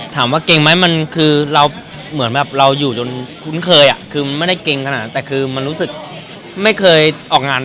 อยากให้คุยถึงความรักที่เขามอบให้เรา